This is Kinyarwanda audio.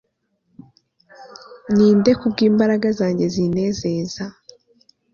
Ninde kubwimbaraga zanjye zinezeza